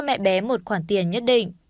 mẹ bé một khoản tiền nhất định